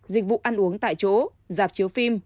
dịch vụ ăn uống tại chỗ dạp chiếu phim